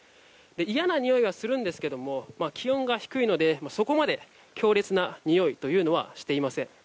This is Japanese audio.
嫌なにおいはするんですが気温が低いのでそこまで強烈なにおいはしていません。